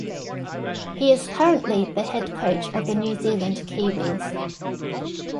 He is currently the head coach of the New Zealand Kiwis.